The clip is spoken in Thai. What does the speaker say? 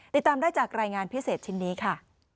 ติดตามได้จากรายงานพิเศษชิ้นนี้ค่ะ